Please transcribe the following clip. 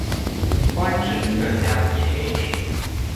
官至浙江盐运使。